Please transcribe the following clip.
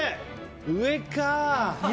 上か！